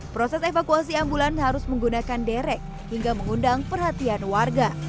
proses evakuasi ambulan harus menggunakan derek hingga mengundang perhatian warga